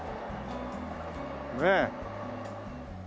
ねえ。